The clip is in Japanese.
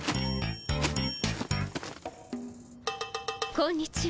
こんにちは。